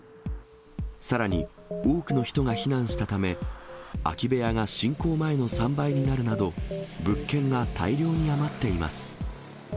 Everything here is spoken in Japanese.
さらに、多くの人が避難したため、空き部屋が侵攻前の３倍になるなど、物件が大量に余っています。